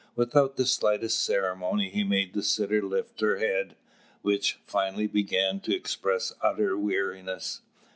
Without the slightest ceremony, he made the sitter lift her head, which finally began to express utter weariness.